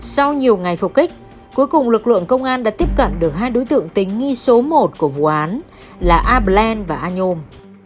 sau nhiều ngày phục kích cuối cùng lực lượng công an đã tiếp cận được hai đối tượng tính nghi số một của vụ án là abland và anom